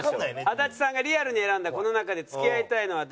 足立さんがリアルに選んだこの中で付き合いたいのは誰？